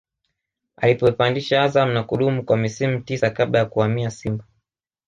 alipoipandisha Azam na kudumu kwa misimu tisa kabla ya kuhamia Simba